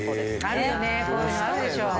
こういうのあるでしょ。